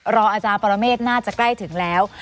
อาจารย์ปรเมฆน่าจะใกล้ถึงแล้ว